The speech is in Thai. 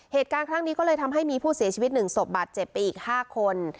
เหตุการณ์ครั้งนี้ก็เลยทำให้มีผู้เสียชีวิต๑ศพบาดเจ็บไปอีก๕คน